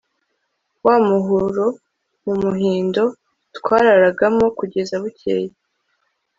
wa muhuro m'umuhindo twararagamo kugeza bucyeye